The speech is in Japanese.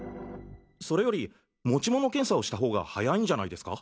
それより持ち物検査をした方が早いんじゃないですか？